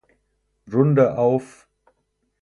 Runde auf.